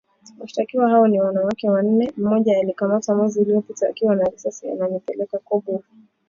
Washitakiwa hao ni wanawake wanne, mmoja alikamatwa mwezi uliopita akiwa na risasi ananipeleka kobu kwa wanamgambo.